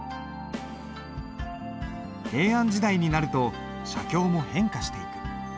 平安時代になると写経も変化していく。